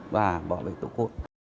và bỏ lấy tổng hội